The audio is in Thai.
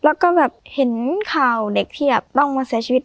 แล้วก็แบบเห็นข่าวเด็กที่ต้องมาเสียชีวิต